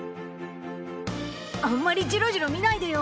あんまりジロジロ見ないでよ。